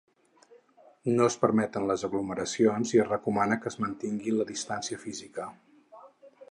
No es permeten les aglomeracions i es recomana que es mantingui la distància física.